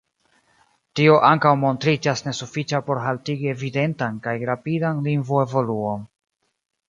Tio ankaŭ montriĝas nesufiĉa por haltigi evidentan kaj rapidan lingvoevoluon.